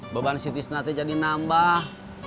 beban si tisnaknya jadi nambah